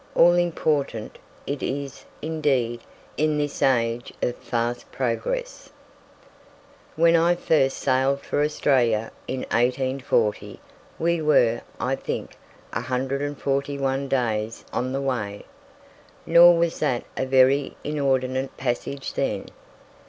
All important it is, indeed, in this age of fast progress. When I first sailed for Australia, in 1840, we were, I think, 141 days on the way. Nor was that a very inordinate passage then.